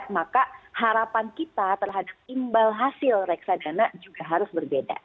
maka harapan kita terhadap imbal hasil reksadana juga harus berbeda